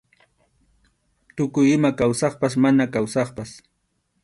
Tukuy ima kawsaqpas mana kawsaqpas.